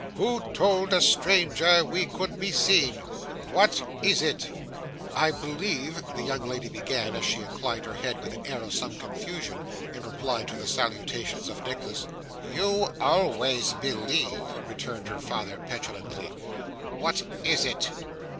Who told a stranger we could be seen? What is it?' 'I believe ' the young lady began, as she inclined her head with an air of some confusion, in reply to the salutation of Nicholas. 'You always believe,' returned her father, petulantly. 'What is it?